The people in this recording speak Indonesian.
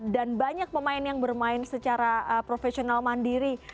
dan banyak pemain yang bermain secara profesional mandiri